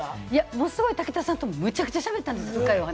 ものすごい武田さんとむちゃくちゃ喋ったんです。